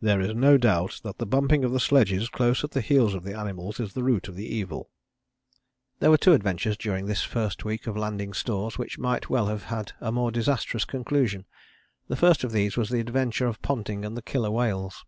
"There is no doubt that the bumping of the sledges close at the heels of the animals is the root of the evil." There were two adventures during this first week of landing stores which might well have had a more disastrous conclusion. The first of these was the adventure of Ponting and the Killer whales.